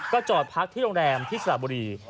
ก็จอดพักที่โรงแรมที่สระบุรี